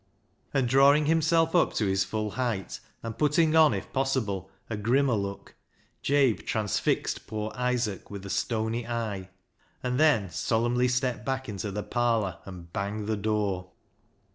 And drawing himself up to his full height, and putting on, if possible, a grimmer look, Jabe transfixed poor Isaac with a stony eye, and then solemnly stepped back into the parlour and banged the door.